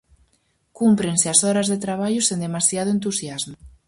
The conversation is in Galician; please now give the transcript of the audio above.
Cúmprense as horas de traballo sen demasiado entusiasmo.